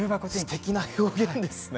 すてきな表現ですね。